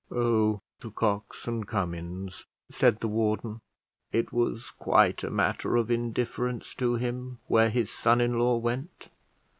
"Oh, to Cox and Cummins," said the warden. It was quite a matter of indifference to him where his son in law went.